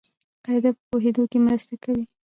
قاعده په پوهېدو کښي مرسته کوي.